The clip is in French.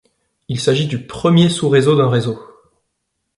Il s'agit du premier sous-réseau d'un réseau.